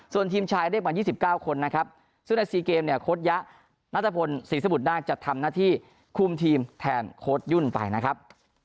ส่วนทีมชายได้มายี่สิบเก้าคนนะครับซึ่งในซีเกมเนี่ยโค้ดยะนัตรภนศรีสมุทรนางจัดทำหน้าที่คุมทีมแทนโค้ดยุ่นไปนะครับ